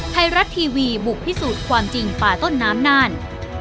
ไทยรัฐทีวีบุกพิสูจน์ความจริงป่าต้นน้ำน่าน